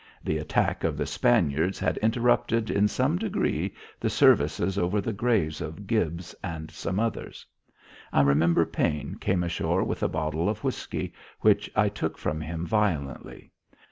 The attack of the Spaniards had interrupted in some degree the services over the graves of Gibbs and some others. I remember Paine came ashore with a bottle of whisky which I took from him violently.